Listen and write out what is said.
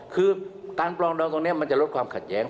คือการปรองดองตรงนี้มันจะลดความขัดแย้ง